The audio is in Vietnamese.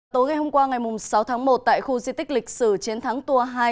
tối ngày hôm qua ngày sáu tháng một tại khu di tích lịch sử chiến thắng tour hai